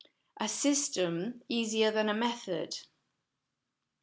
A System easier than a Method.